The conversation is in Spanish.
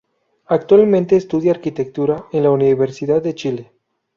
Actualmente estudia arquitectura en la Universidad de Chile.